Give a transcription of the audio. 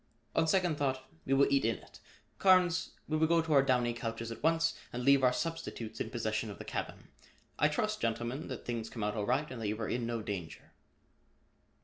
On second thought, we will eat in it. Carnes, we will go to our downy couches at once and leave our substitutes in possession of the cabin. I trust, gentlemen, that things come out all right and that you are in no danger."